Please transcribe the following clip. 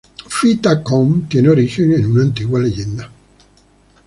Phi Ta Khon tiene origen en una antigua leyenda.